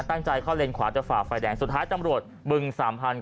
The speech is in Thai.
ตั้งใจเข้าเลนขวาจะฝ่าไฟแดงสุดท้ายตำรวจบึงสามพัน